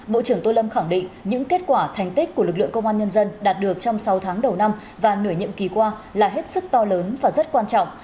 bộ trưởng tô lâm khẳng định những kết quả thành tích của lực lượng công an nhân dân đạt được trong sáu tháng đầu năm và nửa nhiệm kỳ qua là hết sức to lớn và rất quan trọng